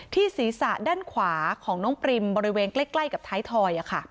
ศีรษะด้านขวาของน้องปริมบริเวณใกล้กับท้ายถอย